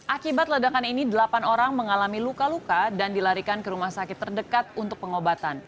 akibat ledakan ini delapan orang mengalami luka luka dan dilarikan ke rumah sakit terdekat untuk pengobatan